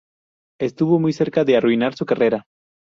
Estuvo muy cerca de arruinar su carrera.